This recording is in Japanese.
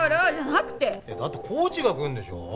だってコーチが来るんでしょ？